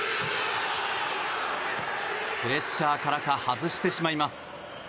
プレッシャーからか外してしまいます。